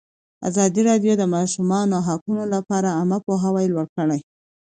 ازادي راډیو د د ماشومانو حقونه لپاره عامه پوهاوي لوړ کړی.